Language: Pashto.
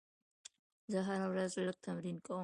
زه هره ورځ لږ تمرین کوم.